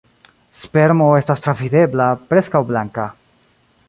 Spermo estas travidebla, preskaŭ blanka.